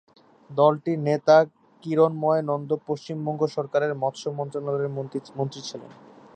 দলটির নেতা কিরণ্ময় নন্দ পশ্চিমবঙ্গ সরকারের মৎস্য মন্ত্রণালয়ের মন্ত্রী ছিলেন।